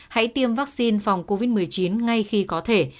hãy tiêm vaccine phòng covid một mươi chín ngay khi có thể